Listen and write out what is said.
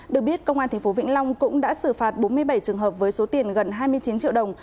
được biết công an tp vĩnh long cũng đã xử phạt bốn mươi bảy trường hợp với số tiền gần hai mươi chín triệu đồng